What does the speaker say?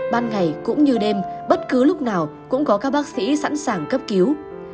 ban ngày cũng như đêm bất cứ lúc nào cũng có các bác sĩ sẵn sàng cấp cứu